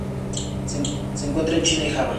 Se encuentra en China y Java.